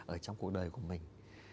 ở trong cuộc đời của mình